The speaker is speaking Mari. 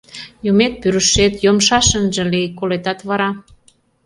Юмет-пӱршет, йомшаш ынже лий, колетат вара...